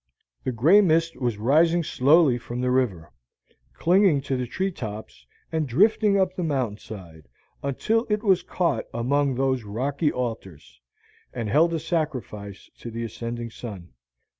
The gray mist was rising slowly from the river, clinging to the tree tops and drifting up the mountain side, until it was caught among those rocky altars, and held a sacrifice to the ascending sun.